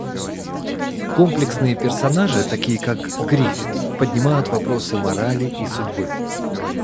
Комплексные персонажи, такие как Гриффит, поднимают вопросы морали и судьбы.